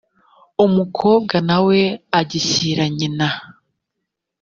umukobwa na we agishyira nyina